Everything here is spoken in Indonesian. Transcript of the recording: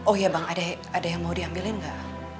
oh iya bang ada yang mau diambilin enggak